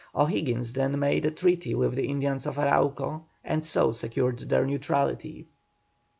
O'Higgins then made a treaty with the Indians of Arauco, and so secured their neutrality.